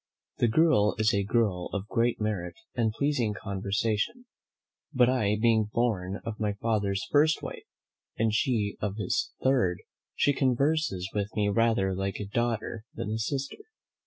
The girl is a girl of great merit and pleasing conversation: but I being born of my father's first wife, and she of his third, she converses with me rather like a daughter than a sister.